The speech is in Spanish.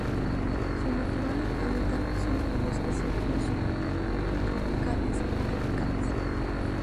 Su natural hábitat son los bosques secos subtropicales o tropicales.